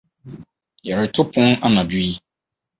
Yɛretopon anadwo yi.